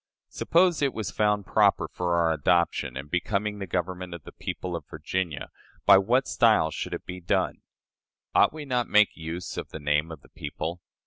Suppose it was found proper for our adoption, and becoming the government of the people of Virginia, by what style should it be done? Ought we not to make use of the name of the people?